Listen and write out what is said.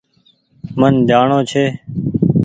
من جآڻونٚ ڇي